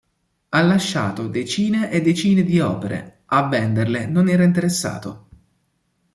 Ha lasciato decine e decine di opere, a venderle non era interessato.